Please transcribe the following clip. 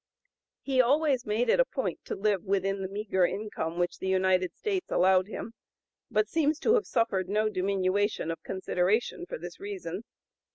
He always made it a point to live within the meagre income which the United States allowed him, but seems to have suffered no diminution of consideration for this reason.